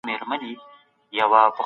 د بوري کارخانه ډېره لویه او پرمختللي ده.